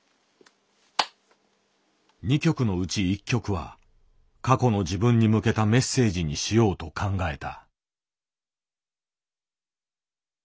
２曲のうち１曲は過去の自分に向けたメッセージにしようと考えた。